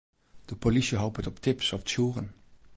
De polysje hopet op tips of tsjûgen.